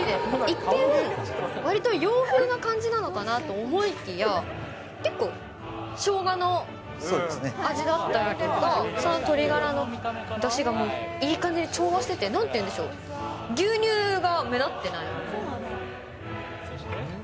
一見、わりと洋風な感じなのかなと思いきや、結構、しょうがの味だったりとか、鶏ガラのだしがもう、いい感じに調和してて、なんていうんでしょう、牛乳が目立ってない。